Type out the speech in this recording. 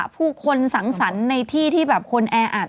ผู้คนสังสรรค์ในที่ที่แบบคนแออัด